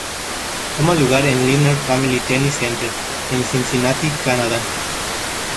Toma lugar en Lindner Family Tennis Center en Cincinnati, Canadá.